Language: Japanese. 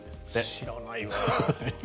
知らないわ。